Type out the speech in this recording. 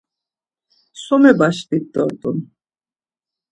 So mebaşkvit dort̆un!